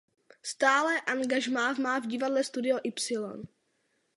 Stálé angažmá má v divadle Studio Ypsilon.